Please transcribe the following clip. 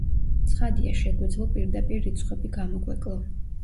ცხადია, შეგვეძლო პირდაპირ რიცხვები გამოგვეკლო.